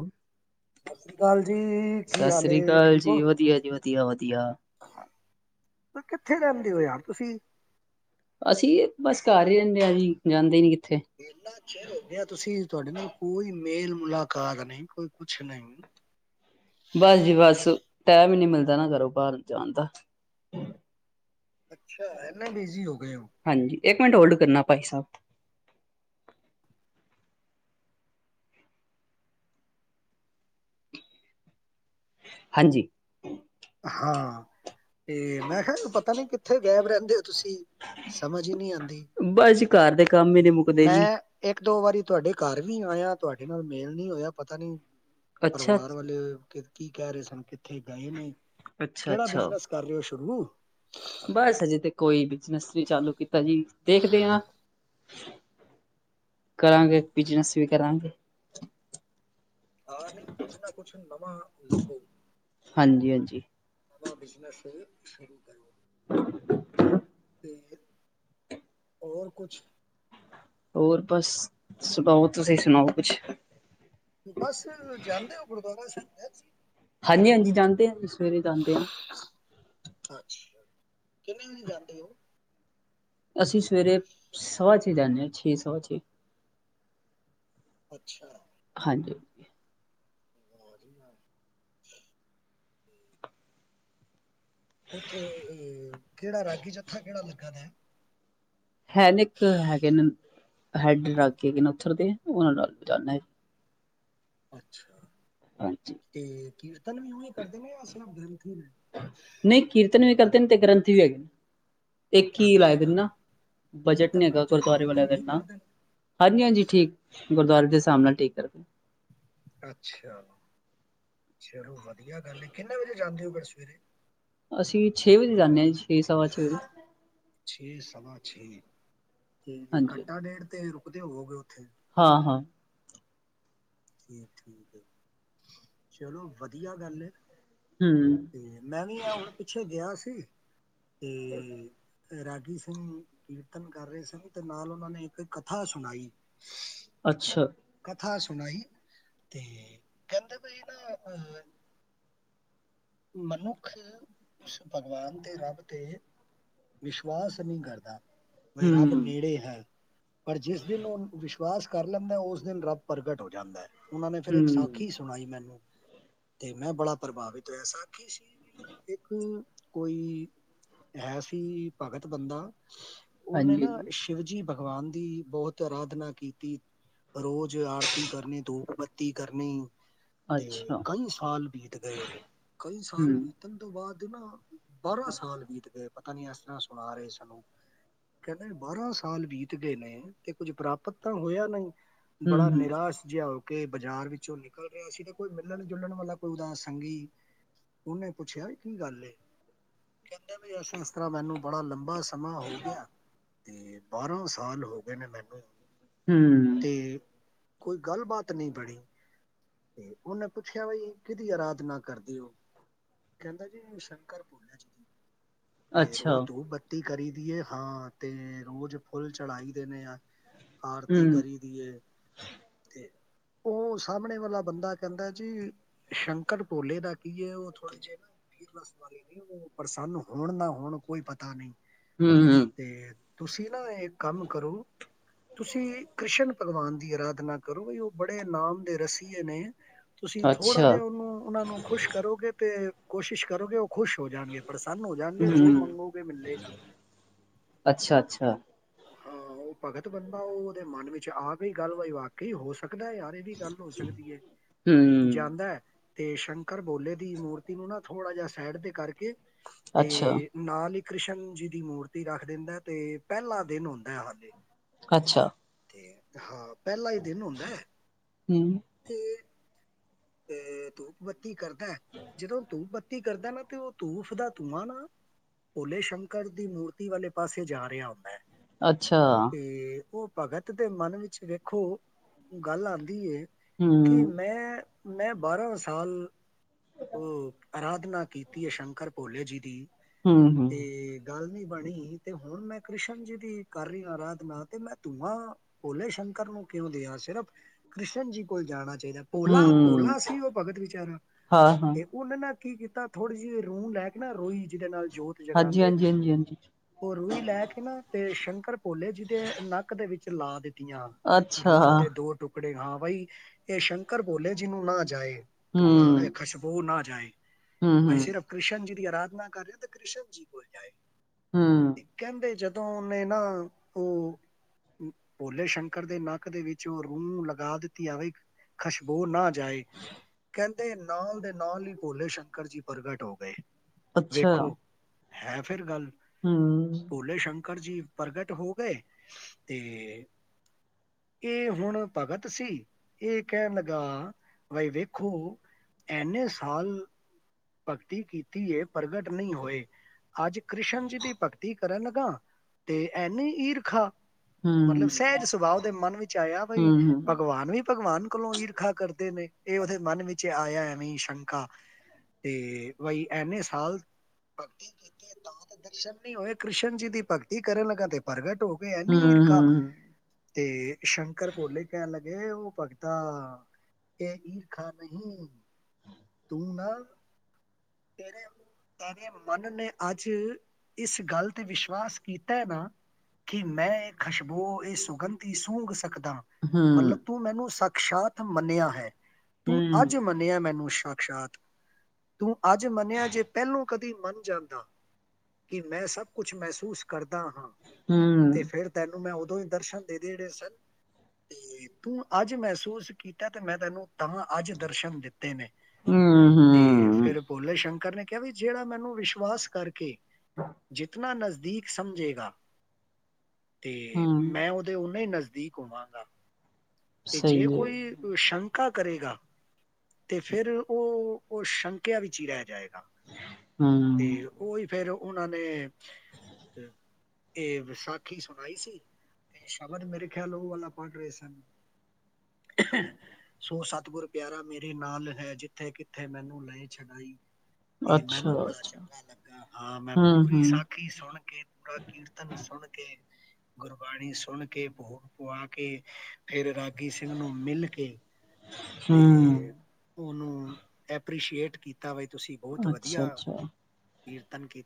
ਹੂੰ, ਸਤਿ ਸ੍ਰੀ ਅਕਾਲ ਜੀ ਕੀ ਹਾਲ ਸ੍ਰੀ ਅਕਾਲ ਠੀਕ ਜੀ ਹੋ ਵਧੀਆ ਜੀ ਵਧੀਆ ਵਧੀਆ ਕਿੱਥੇ ਜਾਂਦੇ ਹੋ ਯਾਰ ਤੁਸੀਂ ਅਸੀਂ ਬਸ ਘਰ ਹੀ ਰਹਿੰਦੇ ਆ ਵੀ ਜਾਂਦੇ ਨੀ ਕਿੱਥੇ ਤੁਸੀਂ ਤੁਹਾਡੇ ਨਾਲ ਕੋਈ ਮੇਲ ਮੁਲਾਕਾਤ ਨੀ ਕੋਈ ਕੁਛ ਨਹੀਂ ਬਸ ਜੀ ਬਸ ਟਾਇਮ ਹੀ ਨਹੀਂ ਮਿਲਦਾ ਨਾ ਕਰੋ ਬਾਹਰ ਜਾਣ ਦਾ ਅੱਛਾ ਇਨਾ ਬਿਜ਼ੀ ਹੋ ਗਈ ਹੋ। ਹਾਂਜੀ ਇੱਕ ਮਿੰਟ ਹੋਲਡ ਕਰਨਾ ਭਾਈ ਸਾਹਿਬ ਹਾਂਜੀ, ਹਾਂ, ਤੇ ਮੈਂ ਕਿਹਾ ਪਤਾ ਨੀ ਕਿੱਥੇ ਗਾਇਬ ਰਹਿੰਦੇ ਹੋ ਤੁਸੀਂ ਸਮਝ ਹੀ ਨਹੀਂੀ ਆਦੀ ਬਸ ਜੀ ਘਰ ਦੇ ਕੰਮ ਹੀ ਨੀ ਮੁੱਕਦੇ ਜੀ ਮੈਂ ਇੱਕ ਦੋ ਵਾਰੀ ਤੁਹਾਡੇ ਘਰ ਵੀ ਆਇਆ ਤੁਹਾਡੇ ਨਾਲ ਮੇਲ ਨੀ ਹੋਇਆ ਪਤਾ ਨੀ, ਅੱਛਾ ਪਰਿਵਾਰ ਵਾਲੇ, ਕੀ ਕਹਿ ਰਹੇ ਸਨ ਕਿੱਥੇ ਗਏ ਨੇ ਅੱਛਾ ਕਿਹੜਾ ਅੱਛਾ ਬਿਜਨਸ ਕਰ ਰਹੇ ਹੋ, ਸ਼ੁਰੂ ਬਸ ਅਜੇ ਤੇ ਕੋਈ ਵੀ ਨਸਰੀ ਚਾਲੂ ਕੀਤੀ ਤਾ ਜੀ ਦੇਖਦੇ ਹਾਂ ਕਰਾਂਗੇ ਬਿਜਨਸ ਵੀ ਕਰਾਂਗੇ ਹਾਂ ਨਹੀਂ ਕੁਛ ਨਾ ਕੁਛ ਨਵਾਂ ਲੱਭੋ ਹਾਂਜੀ ਹਾਂਜੀ ਮਵਾਂ ਬਿਜਨੈਸ ਸ਼ੁਰੂ ਕਰ ਅਤੇ ਹੋਰ ਕੁਛ ਹੋਰ ਬਸ ਸੁਣਾਓ ਤੁਸੀਂ ਸੁਣਾਓ ਕੁਛ ਬਸ ਜਾਂਦੇ ਹੋ ਗੁਰਦੁਆਰਾ ਸਾਹਿਬ [inaudible] ਹਾਂਜੀ ਹਾਂਜੀ ਜਾਂਦੇ ਹ ਸਵੇਰੇ ਜਾਂਦੇ ਆ ਅੱਛਾ ਕਿੰਨੇ ਵਜੇ ਜਾਂਦੇ ਉਹ ਅਸੀਂ ਸਵੇਰੇ ਸਵਾ ਛੇ ਜਾਂਦੇ ਹਾਂ ਸਵਾ ਛੇ ਚ ਅੱਛਾ [inaudible] ਆ ਉੱਥੇ ਅਹ ਕਿਹੜਾ ਰਾਗੀ ਜੱਥਾ ਕਿਹੜਾ ਲੱਗਾ ਦਾ ਹੈ ਹੈਨ ਇੱਕ ਹੈਗੇ ਨੇ ਹੈਡ ਰਾਗੀ ਕੇਗੇ ਨੇ ਉੱਥਰਦੇ ਆ ਉਹਨਾਂ ਨਾਲ ਜਾਂਦਾ ਜੀ ਅੱਛਾ ਹਾਂਜੀ ਤੇ ਕੀਰਤਨ ਵੀ ਕਰਦੇ ਨੇ ਸਿਰਫ ਗ੍ਰੰਥ ਨਹੀਂ ਕੀਰਤਨ ਵੀ ਕਕਦਾ ਤੇ ਗ੍ਰੰਥ ਹੈਗੇ ਇੱਕ ਹੀ ਲਾਏ ਦੇ ਅੱਛਾ ਨਾ ਬਜਟ ਨ ਕੀਰਤਨ ਹੈਗਾ ਅੱਛਾ ਗੁਰਦੁਆਰੇ ਵਾਲਿਆਂ ਕੀਰਤਨ ਠੀਕ ਦਿੰਦਾ ਕਰਦੇ ਨੇ ਹਾਂਜੀ ਹਾਂਜੀ ਠੀਕ ਗੁਰਦੁਆਰੇ ਦੇ ਹਿਸਾਬ ਨਾਲ ਠੀਕ ਕਰਕੇ ਅੱਛਾ ਚਲੋ ਵਧੀਆ ਗੱਲ ਕਿੰਨੇ ਵਜੇ ਜਾਂਦੇ ਹੋ ਫੇਰ ਸਵੇਰੇ ਅਸੀਂ ਛੇ ਵਜੇ ਜਾਂਦੇ ਹਾਂ ਜੀ ਇਹ ਸਵਾ ਚ ਛੇ ਸਵਾ ਛੇ ਠੀਕ ਹਾਂਜੀ ਘੰਟਾ ਡੇਢ ਤੇ ਰੁ ਉਹਦੇ ਹੋ ਗਏ ਉੱਥੇ ਹਾਂ ਹਾਂ ਠੀਕ ਠੀਕ ਹੈ ਚਲੋ ਵਧੀਆ ਗੱਲ ਹੈ ਹਮ ਤੇ ਮੈਂ ਵੀ ਆ ਹੁਣ ਪਿੱਛੇ ਗਿਆ ਸੀ ਤੇ ਰਾਗੀ ਸਿੰਘ ਕੀਰਤਨ ਕਰ ਰਹੇ ਸੀ ਤੇ ਨਾਲ ਉਹਨਾਂ ਨੇ ਇੱਕ ਕਥਾ ਸੁਣਾਈ ਅੱਛਾ ਕਥਾ ਸੁਣਾਈ ਤੇ ਕਹਿੰਦੇ ਬਾਈ ਨਾਹ। ਮਨੁੱਖ ਉਸ ਭਗਵਾਨ ਤੇ ਰੱਬ ਤੇ ਵਿਸ਼ਵਾਸ ਨਹੀਂ ਕਰਦਾ। ਵੇ ਰੱਬ ਹਮ ਨੇੜੇ ਹੈ ਪਰ ਜਿਸ ਦਿਨ ਉਹ ਵਿਸ਼ਵਾਸ ਕਰ ਲੈਂਦਾ ਉਸ ਦਿਨ ਰੱਬ ਪ੍ਰਗਟ ਹੋ ਜਾਂਦਾ ਹੈ। ਉਹਨਾਂ ਨੇ ਫੇਰ ਇੱਕ ਹਮ ਸਾਖੀ ਸੁਣਾਈ ਮੈਨੂੰ ਤੇ ਮੈਂ ਬੜਾ ਪ੍ਰਭਾਵਿਤ ਐਸਾ ਕੀ ਸੀ ਵੀ ਨਾ ਇੱਕ ਕੋਈ ਹੈ ਸੀ ਭਗਤ ਬੰਦਾ। ਉਹਨੇ ਹਾਂਜੀ ਨਾ ਸ਼ਿਵਜੀ ਭਗਵਾਨ ਦੀ ਬਹੁਤ ਅਰਾਧਨਾ ਕੀਤੀ ਰੋਜ਼ ਆਰਤੀ ਕਰਨੀ ਧੂਪ ਬੱਤੀ ਕਰਨੀ ਤੇ ਅੱਛਾ ਕਈ ਸਾਲ ਬੀਤ ਗਏ ਉਹਦੇ ਕਈ ਸਾਲ ਹਮ ਬੀਤਣ ਤੋਂ ਬਾਅਦ ਜਨਾਂ ਬਾਰਾਂ ਸਾਲ ਬੀਤ ਗਏ ਪਤਾ ਨੀ ਇਸ ਤਰ੍ਹਾਂ ਸੁਣਾ ਰਹੇ ਸਾਨੂੰ ਕਹਿੰਦੇ ਬਾਰਾਂ ਸਾਲ ਬੀਤ ਗਏ ਨੇ ਤੇ ਕੁੱਝ ਪ੍ਰਾਪਤ ਤਾਂ ਹੋਇਆ ਨਹੀਂ। ਬੜਾ ਹਮ ਹਮ ਨਿਰਾਸ਼ ਜਿਹਾ ਉਹ ਕਿ ਬਾਜ਼ਾਰ ਵਿੱਚੋਂ ਨਿਕਲ ਰਿਹਾ ਸੀ ਤਾਂ ਕੋਈ ਮਿਲਣ ਜੁਲਣ ਵਾਲਾ ਕੋਈ ਉਹਦਾ ਸੰਗੀ ਉਹਨੇ ਪੁੱਛਿਆ ਕੀ ਗੱਲ ਕਹਿੰਦੇ ਵੀ ਅਸਾ ਇਸ ਤਰ੍ਹਾਂ ਮੈਨੂੰ ਬੜਾ ਲੰਬਾ ਸਮਾ ਸਮਾਂ ਹੋ ਗਿਆ ਤੇ ਬਾਰਾਂ ਸਾਲ ਹੋ ਗਏ ਨੇ ਮੈਨੂੰ ਹਮ ਤੇ ਕੋਈ ਗੱਲ ਬਾਾਤ ਨਹੀਂ ਬਣੀ ਤੇ ਉਹਨੇ ਪੁੱਛਿਆ ਬਈ ਕਿਹਦੀ ਅਰਾਧਨਾ ਕਰਦੇ ਹੋ? ਕਹਿੰਦਾ ਜੀ ਸ਼ੰਕਰ ਭੋਲਿਆ ਜੀ ਦੀ ਤੇ ਅੱਛਾ ਰੋਜ਼ ਤੂੰ ਬੱਤੀ ਕਰੀ ਦੀਏ ਹਾਂ ਤੇ ਰੋਜ਼ ਫੁੱਲ ਚੜਾਈ ਦੇ ਆ ਆਰਤੀ ਹਮ ਕਰੀ ਦੀਏ ਤੇ ਉਹ ਸਾਹਮਣੇ ਵਾਲਾ ਬੰਦਾ ਕਹਿੰਦਾ ਜੀ ਸ਼ੰਕਰ ਭੋਲੇ ਦਾ ਕੀ ਹੈ ਉਹ ਥੋੜੇ ਜਿਹੇ ਨਾ ਵੀਰ ਉਹ ਪ੍ਰਸੰਨ ਹੋਣ ਨਾ ਹੋਣ ਕੋਈ ਪਤਾ ਨਹੀਂ ਹਮ ਹਮ ਤੇ ਤੁਸੀਂ ਨਾ ਇਹ ਕੰਮ ਕਰੋ ਤੁਸੀਂ ਕ੍ਰਿਸ਼ਨ ਭਗਵਾਨ ਦੀ ਅਰਾਧਨਾ ਕਰੋ ਬਈ ਉਹ ਬੜੇ ਨਾਮ ਦੇ ਰਸੀਏ ਨੇ ਤੁਸੀਂ ਥੋੜਾ ਅੱਛਾ ਜਿਹਾ ਉਹਨੂੰ ਉਹਨਾਂ ਨੂੰ ਖੁਸ਼ ਕਰੋਗੇ ਤੇ ਕੋਸ਼ਿਸ਼ ਕਰੋਗੇ ਉਹ ਖੁਸ਼ ਹੋ ਜਾਣਗੇ ਪ੍ਰਸੰਨ ਹੋ ਜਾਣਗੇ ਜੋ ਹੂੰ, ਮੰਗੋਗੇ ਮਿਲਲੇਗਾ। ਅੱਛਾ-ਅੱਛਾ, ਹਾਂ ਉਹ ਭਗਤ ਬੰਦਾ ਉਹ ਉਹਦੇ ਮਨ ਵਿੱਚ ਆ ਗਈ ਗੱਲ ਬਾਈ ਵਾਕਈ ਹੋ ਸਕਦਾ। ਸਕਦਾ ਯਾਰ ਇਹ ਵੀ ਗੱਲ ਹੋ ਸਕਦੀ ਹੈ ਹੂੰ, ਜਾਂਦਾ। ਅਤੇ ਸ਼ੰਕਰ ਬੋਲੇ ਦੀ ਮੂਰਤੀ ਨੂੰ ਨਾ ਥੋੜ੍ਹਾ ਜਿਹਾ ਸਾਈਡ 'ਤੇ ਕਰਕੇ ਤੇ ਅੱਛਾ। ਨਾਲ ਇੱਕ- ਕ੍ਰਿਸ਼ਨ ਜੀ ਦੀ ਮੂਰਤੀ ਰੱਖ ਦਿੰਦਾ ਤੇ ਪਹਿਲਾ ਦਿਨ ਹੁੰਦਾ ਹਾਲੇ ਅੱਛਾ, ਹਾਂ, ਪਹਿਲਾ ਹੀ ਦਿਨ ਹੁੰਦਾ ਹੈ ਹੂੰ, ਤੇ, ਅਹ ਧੂਪ ਬੱਤੀ ਕਰਦਾ ਜਦੋਂ ਧੂਪ ਬੱਤੀ ਕਰਦਾ ਨਾ ਤੇ ਉਹ ਧੂਫ਼ ਦਾ ਧੂੰਆਂ ਨਾ ਭੋਲੇ ਸ਼ੰਕਰ ਦੀ ਮੂਰਤੀ ਵਾਲੇ ਪਾਸੇ ਜਾ ਰਿਹਾ ਹੁੰਦਾ ਹੈ। ਅੱਛਾ, ਤੇ ਉਹ ਭਗਤ ਦੇ ਮਨ ਵਿੱਚ ਵੇਖੋ ਗੱਲ ਆਂਦੀ ਐ, ਹੂੰ, ਕਿ ਮੈਂ- ਮੈਂ ਬਾਰ੍ਹਾਂ ਸਾਲ ਹੂੰ, ਅਰਾਧਨਾ ਕੀਤੀ ਹੈ ਸ਼ੰਕਰ ਭੋਲੇ ਜੀ ਦੀ, ਹੂੰ-ਹੂੰ। ਤੇ ਗੱਲ ਬਣੀ ਤੇ ਹੁਣ ਮੈਂ ਕ੍ਰਿਸ਼ਨ ਜੀ ਦੀ ਕਰ ਰਹੀ ਹਾਂ ਆਰਾਧਨਾ ਤੇ ਮੈਂ ਤੂੰਵਾਂ ਪੋਲੇ ਸ਼ੰਕਰ ਨੂੰ ਕਿਉਂ ਦਿਆਂ ਸਿਰਫ ਕ੍ਰਿਸ਼ਨ ਜੀ ਕੋਲ ਜਾਣਾ। ਚਾਹੀਦਾ ਭੋਲਾ ਹੂੰ, ਭੋਲਾ ਸੀ ਉਹ ਭਗਤ ਵਿਚਾਰਾ ਹਾਂ-ਹਾਂ, ਤੇ ਉਹਨਾਂ ਨਾ ਕੀ ਕੀਤਾ ਥੋੜ੍ਹੀ ਜਿਹੀ ਰੂਹ ਲੈ ਕੇ ਨਾ ਰੋਈ ਜਿਹਦੇ ਨਾਲ ਜੋਤ ਜਗਾਦੇ ਹਾਂਜੀ-ਹਾਂਜੀ, ਨੇ ਹਾਂਜੀ-ਹਾਂਜੀ। ਓ ਰੂਈ ਲੈ ਕੇ ਨਾ ਤੇ ਸ਼ੰਕਰ ਭੋਲੇ ਜੀ ਦੇ ਨੱਕ ਦੇ ਵਿੱਚ ਚ ਲਾ ਦਿੱ ਤੀਆਂ ਅੱਛਾ, ਰੂੰਹ ਦੇ ਦੋ ਟੁਕ ੜ ਹਾਂ ਬਾਈ ਇਹ ਸ਼ੰਕਰ ਭੋਲੇ ਜਿਹਨੂੰ ਨਾ ਜਾਏ, ਧੂਆ ਹੂੰ, ਇਹ ਖੁਸ਼ਬੂ ਨਾ ਜਾਏ। ਬਾਈ ਹੂੰ-ਹੂੰ, ਸਿਰਫ ਕ੍ਰਿਸ਼ਨ ਜੀ ਅਰਾਧਨਾ ਕਰ ਰਿਹਾ ਤਾਂ ਕ੍ਰਿਸ਼ਨ ਜੀ ਕੋਲ ਜਾਏ। ਹੂੰ। ਇੱਕ ਕਹਿੰਦੇ ਜਦੋਂ ਜਦੋਂ ਉਹਨੇ ਨਾ ਉਹ ਭੋਲੇ ਸ਼ੰਕਰ ਦੇ ਨੱਕ ਦੇ ਵਿੱਚ ਉਹ ਰੂੰਹ ਲਗਾ ਦਿੱਤੀ ਆਵੇ ਖੁਸ਼ਬੋਹ ਨਾ ਜਾਏ ਕਹਿੰਦੇ ਨਾਲ ਦੇ ਨਾਲ ਹੀ ਭੋਲੇ ਸ਼ੰਕਰ ਜੀ ਪ੍ਰਗਟ ਹੋ ਗਏ। ਅੱਛਾ, ਹੈਂ ਫ਼ਿਰ ਗੱਲ। ਹਮ। ਭੋਲੇ ਸ਼ੰਕਰ ਜੀ ਪ੍ਰਗਟ ਹੋ ਗਏ ਤੇ ਇਹ ਹੁਣ ਭਗਤ ਸੀ, ਇਹ ਕਹਿਣ ਲੱਗਾ ਬਾਈ ਵੇਖੋ ਇੰਨੇ ਸਾਲ ਭਗਤੀ ਕੀਤੀ ਏ ਪ੍ਰਗਟ ਨਹੀਂ ਹੋਏ, ਅੱਜ ਕ੍ਰਿਸ਼ਨ ਜੀ ਦੀ ਭਗਤੀ ਕਰਨ ਲੱਗਾ ਤੇ ਐਨੀ ਈਰਖਾ ਮਤਲਬ ਹੂੰ, ਸਹਿਜ ਸੁਭਾਅ ਉਹਦੇ ਮਨ ਵਿੱਚ ਆਇਆ, ਬਈ ਹੂੰ-ਹੂੰ। ਭਗਵਾਨ ਵੀ ਭਗਵਾਨ ਕੋਲੋਂ ਈਰਖਾ ਕਰਦੇ ਨੇ। ਇਹ ਉਹਦੇ ਮਨ ਵਿੱਚ ਆਇਆ ਐਵੇਂ ਸ਼ੰਕਾ। ਤੇ ਬਾਈ ਇਨੇ ਸਾਲ ਭਗਤੀ ਕੀਤੀ ਤਾਂ ਦਰਸ਼ਨ ਨਹੀਂ ਹੋਏ, ਕ੍ਰਿਸ਼ਨ ਜੀ ਦੀ ਭਗਤੀ ਕਰਨ ਲੱਗਾ ਤੇ ਪ੍ਰਗਟ। ਤੇ ਹੋ ਗਿਆ ਏਨੀਂ ਹੂੰ, ਈਰਖਾ। ਹੂੰ, ਤੇ ਸ਼ੰਕਰ ਭੋਲੇ ਕਹਿਣ ਲੱਗੇ, ਉਹ ਭਗਤਾ ਇਹ ਈਰਖਾ ਨਹੀਂ, ਤੂੰ ਨਾ ਤੇਰੇ ਤੇਰੇ ਮਨ ਨੇ ਅੱਜ ਇਸ ਗੱਲ ਤੇ ਵਿਸ਼ਵਾਸ ਕੀਤਾ ਹੈ ਨਾ, ਕਿ ਮੈਂ ਇਹ ਖੁਸ਼ਬੋ ਇਹ ਸੁਗੰਧੀ ਸੂੰਘ ਸਕ ਮਤਲਬ ਹੂੰ, ਤੂੰ ਮੈਨੂੰ ਸ ਅਕਸ਼ਾਤ ਮੰਨਿਆ ਹੈ। ਤੂੰ ਅੱਜ ਮੰਨਿਆ ਮੈਨੂੰ ਸ਼ ਸ਼ਾਂਤ। ਤੂੰ ਅੱਜ ਮੰਨਿਆ, ਜੇ ਪਹਿਲੋਂ ਕਦੀ ਮੰਨ ਜਾਂਦਾ ਕਿ ਮੈਂ ਸਭ ਕੁਛ ਮਹਿਸੂਸ ਕਰਦਾ ਹਾਂ। ਹੂੰ, ਤੇ ਫ਼ਿਰ ਤੈਨੂੰ ਮੈਂ ਉ ਤੇ ਦਰਸ਼ਨ ਦੇ ਦੇ ਜਿਹੜੇ ਸਨ ਤੇ ਤੂੰ ਅੱਜ ਮਹਿਸੂਸ ਕੀਤਾ, ਤੇ ਮੈਂ ਤੈਨੂੰ ਤਾਂ ਅੱਜ ਦਰਸ਼ਨ ਦਿੱਤੇ ਨੇ। ਹੂੰ, ਤੇ ਹੂੰ। ਫ਼ਿਰ ਭੋਲੇੋ ਸ਼ੰਕਰ ਨੇ ਕਿਹਾ ਵੀ ਜਿਹੜਾ ਮੈਨੂੰ ਵਿਸ਼ਵਾਸ ਕਰਕੇ ਜਿਤਨਾ ਨਜ਼ਦੀਕ। ਦੀਕ ਸਮਝੇਗਾ। ਤੇ ਹੂੰ, ਮੈਂ ਉਹਦੇ ਉਹਨਾਂ ਹੀ ਨਜ਼ ਨਜ਼ਦੀਕ ਹੋਵਾਂਗਾ। ਤੇ ਜੇ ਸਹੀ ਏ, ਕੋਈ ਸ਼ੰਕ ਪੱਕਾ ਕਰੇਗਾ ਤੇ ਫਿਰ ਉਹ ਉਹ ਸ਼ੰਕਿਆ ਵਿੱਚ ਹੀ ਰਹਿ ਜਾਏਗਾ। ਤੇ ਹੂੰ, ਉਹੀ ਫੇਰ। ਉਹਨਾਂ ਨੇ ਇਹ ਵੀ ਸਾਖੀ ਸੁਣਾਈ ਸੀ, ਤੇ ਸ਼ਬਦ ਮੇਰੇ ਖਿਆਲ ਨਾਲ ਉਹ ਵਾਲਾ ਪੜ੍ਹ ਰਹੇ ਸਨ। ਸੋ ਸਤਿਗੁਰ ਪਿਆਰਾ ਮੇਰੇ ਨਾਲ ਹੈ, ਜਿੱਥੇ ਕਿੱਥੇ ਮੈਨੂੰ ਲਏ ਛਗਾਈ। ਤੇ ਮੈਨੂੰ ਬੜਾ ਅੱਛਾ-ਅੱਛਾ, ਚੰਗਾ ਲੱਗਾ ਹਾਂ, ਮੈਂ ਪੂਰੀ ਹੂੰ-ਹੂੰ। ਸਾਖੀ ਸੁਣ ਕੇ, ਪੂਰਾ ਕੀਰਤਨ ਸੁਣ ਕੇ ਗੁਰਬਾਣੀ ਸੁਣ ਕੇ, ਭੋਗ ਪੁਆ ਕੇ, ਫ਼ਿਰ ਰਾ ਬਈ ਸਿੰਘ ਨੂੰ ਮਿਲ ਕੇ ਹੂੰ, ਤੇ ਉਹਨੂੰ ਐਪ੍ਰਰੀਸ਼ੀਏਟ ਕੀਤਾ ਵੀ। ਅੱਛਾ ਅੱਛਾ। ਕੀਰਤਨ ਕੀ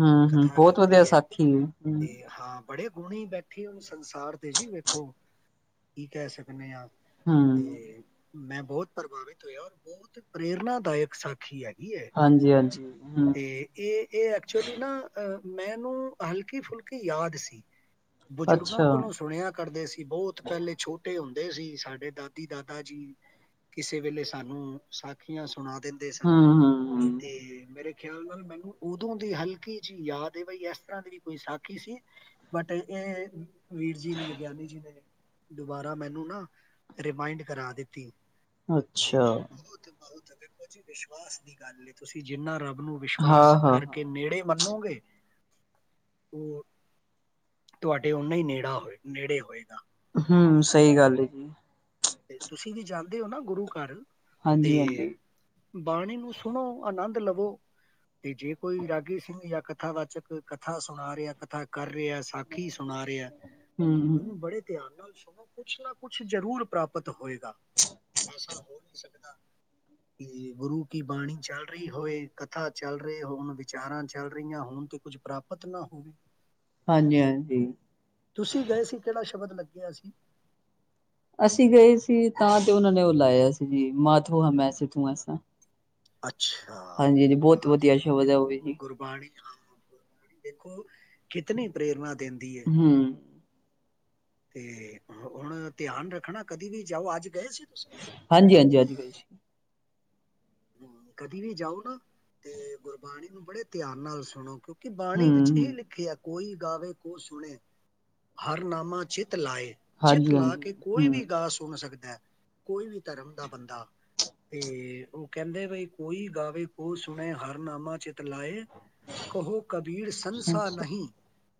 ਹੂੰ-ਹੂੰ ਬਹੁਤ ਵਧੀਆ ਸਾਥੀ ਐ, ਤੇ ਹਾਂ ਬੜੇ ਗੁਣੇ ਬੈਠੀ ਉਹਨੂੰ ਸੰਸਾਰ ਤੇ ਜੀ ਵੇਖੋ ਕੀ ਕਹਿ ਸਕਦੇ। [unintelligible] ਹੂੰ, ਤੇ ਮੈਂ ਬਹੁਤ ਪ੍ਰਭਾਵਿਤ ਹੋਇਆ ਔਰ ਬਹੁਤ ਪ੍ਰੇਰਨਾਦਾਇਕ ਸਾਖੀ ਐ। [unintelligible] ਹਾਂਜੀ-ਹਾਂਜੀ, ਹੂੰ, ਤੇ ਇਹ ਇਹ ਐਕਚੁਅਲੀ ਨਾ ਅਹ ਮੈਨੂੰ ਹਲਕੀ ਫੁਲਕੀ ਯਾਦ ਸੀ। ਬਜ਼ੁਰਗਾਂ ਅੱਛਾ, ਕੋਲੋਂ ਸੁਣਿਆ ਕਰਦੇ ਸੀ ਬਹੁਤ ਪਹਿਲੇ ਛੋਟੇ ਹੁੰਦੇ ਸੀ ਸਾਡੇ ਦਾਦੀ ਦਾਦਾ ਜੀ ਕਿਸੇ ਵੇਲੇ ਸਾਨੂੰ ਸਾਖੀਆਂ ਸੁ ਸੁਣਾ ਦਿੰਦੇ ਸਨ ਹੂੰ-ਹੂੰ, ਤੇ ਮੇਰੇ ਖਿਆਲ ਨਾਲ ਮੈਨੂੰ ਉਦੋਂ ਦੀ ਹਲਕੀ ਜਿਹੀ ਯਾਦ ਬਈ ਇਸ ਤਰ੍ਹਾਂ ਦੀ ਵੀ ਕੋਈ ਸਾਖੀ ਸੀ ਬਟ ਇਹ ਵੀਰ ਜੀ ਨੇ ਗਿਆਨੀ ਜੀ ਨੇ, ਦੁਬਾਰਾ ਮੈਨੂੰ ਨਾ ਰਿਮਾਇੰਡ ਕਰਾ ਦਿੱਤੀ। ਤੇ ਅੱਛਾ ਬਹੁਤ ਬਹੁਤ ਵਿਸ਼ਵਾਸ ਦੀ ਗੱਲ ਤੁਸੀਂ ਜਿੰਨਾ ਰੱਬ ਨੂੰ ਵਿਸ਼ਵਾਸ ਹਾਂ-ਹਾਂ, ਕਰਕੇ ਨੇੜੇ ਮੰਨੋ ਉਹ ਤੁਹਾਡੇ ਓਨਾ ਹੀ ਨੇੜਾ ਹੋਏ ਨੇੜੇ ਹੋਏਗਾ। ਹੂੰ ਸਹੀ ਗੱਲ ਐ। ਤੇ ਤੁਸੀਂ ਵੀ ਜਾਂਦੇ ਹੋ ਨਾ ਗੁਰੂ ਘਰ ਤੇ ਹਾਂਜੀ-ਹਾਂਜੀ। ਬਾਣੀ ਨੂੰ ਸੁਣੋ ਆਨੰਦ ਲੱਭ ਤੇ ਜੇ ਕੋਈ ਰਾਗੀ ਸਿੰਘ ਜਾਂ ਕਥਾ ਵਾਚਕ ਕਥਾ ਸੁਣਾ ਰਿਹਾ ਕਥਾ ਕਰ ਰਿਹਾ ਸਾਖੀ ਸੁਣਾ ਰਿਹਾ ਹੂੰ, ਉਹਨੂੰ ਬੜੇ ਧਿਆਨ ਨਾਲ ਕੁਛ ਨਾ ਕੁਛ ਜਰੂਰ ਪ੍ਰਾਪਤ ਹੋਏਗਾ ਐਸਾ ਹੋ ਨਹੀਂ ਸਕਦਾ। ਕਿ ਗੁਰੂ ਕੀ ਬਾਣੀ ਚੱਲ ਰਹੀ ਹੋਵੇ, ਕਥਾ ਚੱਲ ਰਹੇ ਹੋਣ ਵਿਚਾਰਾਂ ਚੱਲ ਰਹੀਆਂ ਹੋਣ ਤੇ ਕੁੱਝ ਪ੍ਰਾਪਤ ਨਾ ਹੋਵੇ। ਹਾਂਜੀ-ਹਾਂਜੀ ਗਿਆ ਸੀ। ਅਸੀਂ ਗਏ ਸੀ ਤਾਂ ਤੇ ਉਹਨਾਂ ਨੇ ਉਹ ਲਾਇਆ ਸੀ ਜੀ ਮਾਧੋ ਹਮ ਐਸੇ ਤੂੰ ਐਸਾ ਅੱਛਾ ਹਾਂਜੀ-ਹਾਂਜੀ ਬਹੁਤ ਵੇਸੇ ਵਧੀਆ ਸ਼ਬਦ ਹੈ ਉਹ ਵੀ ਵਖੋ ਜੀ, ਗੁਰਬਾਣੀ ਹਾਂ। ਦੇਖੋ ਕਿਤਨੀ ਪ੍ਰੇਰਨਾ ਹੂੰ ਤੇ ਹੁਣ ਧਿਆਨ ਰੱਖਣਾ ਕਦੀ ਵੀ ਜਾਓ ਅੱਜ ਗਏ ਸੀ ਤੁਸੀਂ ਹਾਂਜੀ-ਹਾਂਜੀ ਅੱਜ ਗਏ ਸੀ ਕਦੀ ਵੀ ਜਾਓ ਨਾ ਤੇ ਗੁਰਬਾਣੀ ਨੂੰ ਬੜੇ ਧਿਆਨ ਨਾਲ ਸੁਣੋ ਕਿ ਬਾਣੀ ਵਿੱਚ ਹੀ ਹੂੰ-ਹੂੰ, ਲਿਖਿਆ। ਕੋਈ ਗਾਵੇੈ ਕੋ ਸੁਣੇ ਹਰਨਾਮਾ ਚਿੱਤ ਤ ਲਾਏ ਚਿੱਤ ਲਾ ਕੇ ਹਾਂਜੀ-ਹਾਂਜੀ, ਕੋਈ ਵੀ ਗਾਹ ਸੁਣ ਸਕਦਾ। ਕੋਈ ਵੀ ਧਰਮ ਦਾ ਬੰਦਾ ਤੇ ਉਹ ਕਹਿੰਦੇ ਬਈ ਕੋਈ ਗਾਵੇ ਕੋ ਸੁਣੇ ਹਰਨਾਮਾ ਚਿਤ ਲਾਏ। ਕਹੋ ਕਬੀਰ ਸੰਨਸਾ ਹੂੰ। ਨਹੀਂ।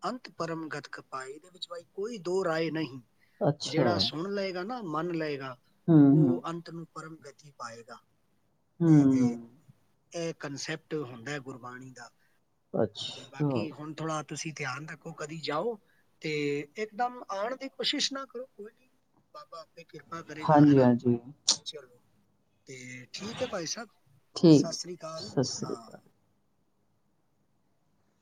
ਅੰਤ ਪਰਮ ਗਤਕਪਾਏ ਇਹਦੇ ਵਿੱਚ ਕੋਈ ਦੋ ਰਾਏ ਨਹੀਂ। ਅੱਛਾ, ਜਿਹੜਾ ਸੁਣ ਲਏਗਾ ਨਾ, ਮੰਨ ਲਏਗਾ। ਹੂੰ-ਹੂੰ, ਉਹ ਅੰਤ ਨੂੰ ਪਰਮ ਗਤੀ ਪਾਏਗਾ। ਹੂੰ, ਇਹ ਇਹ ਇਹ ਕੰਸੈਪਟ ਹੁੰਦਾ ਹੈ ਗੁਰਬਾਣੀ ਦਾ, ਤੇ ਅੱਛਾ, ਬਾਕੀ ਹੁਣ ਥੋੜਾ ਤੁਸੀਂ ਧਿਆਨ ਰੱਖੋ, ਕਦੀ ਜਾਓ ਤੇ ਇਕਦਮ ਆਣ ਦੀ ਕੋਸ਼ਿਸ਼ ਨਾ ਕਰੋ ਕੋਈ ਨੀ ਬਾਬਾ ਕਿਰਪਾ ਕਰੇਗਾ ਹਨਾ ਹਾਂਜੀ-ਹਾਂਜੀ, ਚਲੋ। ਅਤੇ ਠੀਕ ਹੈ ਭਾਈ ਸਾਹਿਬ ਸਤਿ ਠੀਕ, ਸ਼੍ਰੀ ਅਕਾਲ ਸਤਿ ਸ੍ਰੀ ਹਾਂ। ਅਕਾਲ।